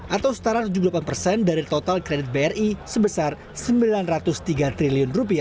atau setara rp tujuh puluh delapan persen dari total kredit bri sebesar rp sembilan ratus tiga triliun